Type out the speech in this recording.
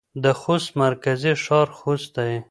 د خوست مرکزي ښار خوست دی.